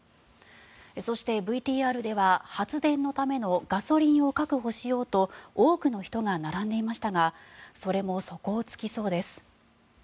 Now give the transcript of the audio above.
そして、ＶＴＲでは発電のためのガソリンを確保しようと多くの人が並んでいましたがそれも底を突きそうです。